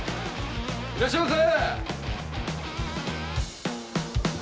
いらっしゃいませ！